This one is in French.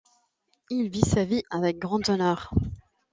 Il vit sa vie avec grand honneur.